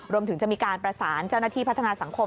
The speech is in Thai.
รวมถึงจะมีการประสานเจ้าหน้าที่พัฒนาสังคม